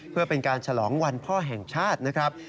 เพื่อเป็นการฉลองวันพ่อแห่งชาตินะครับ